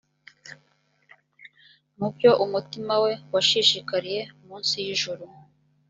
mu byo umutima we washishikariye munsi y ijuru